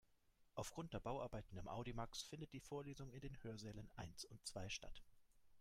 Aufgrund der Bauarbeiten im Audimax findet die Vorlesung in den Hörsälen eins und zwei statt.